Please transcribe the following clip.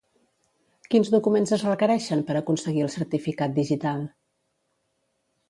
Quins documents es requereixen per aconseguir el certificat digital?